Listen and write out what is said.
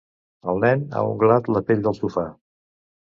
El nen ha unglat la pell del sofà.